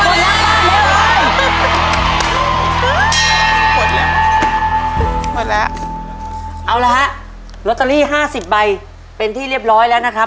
หมดแล้วหมดแล้วเอาละฮะลอตเตอรี่ห้าสิบใบเป็นที่เรียบร้อยแล้วนะครับ